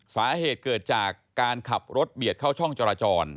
สาเหตุเกิดจากการขับรถเบียดเข้าช่องจราจร